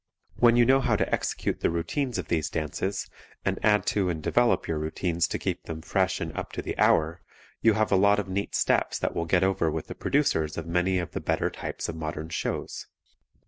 When you know how to execute the routines of these dances and add to and develop your routines to keep them fresh and up to the hour, you have a lot of neat steps that will get over with the producers of many of the better types of modern shows.